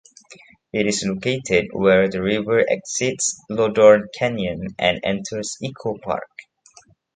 It is located where the river exits Lodore Canyon and enters Echo Park.